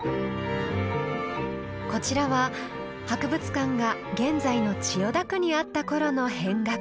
こちらは博物館が現在の千代田区にあったころの扁額。